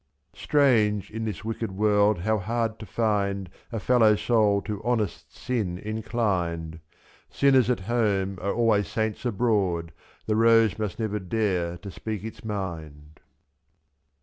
74 Strange in this wicked world how hard to find A fellow soul to honest sin inclined ; /7i>. Sinners at home are always saints abroad, The rose must never dare to speak its mind!